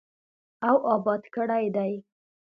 او اباد کړی دی.